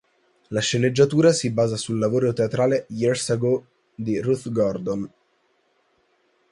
La sceneggiatura si basa sul lavoro teatrale "Years Ago" di Ruth Gordon.